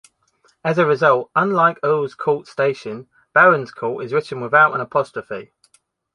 As a result, unlike Earl's Court station, Barons Court is written without an apostrophe.